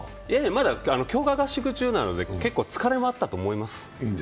まだ強化合宿中なので結構疲れもあったと思います。